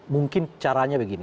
mungkin caranya begini